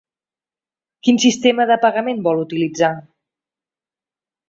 Quin sistema de pagament vol utilitzar?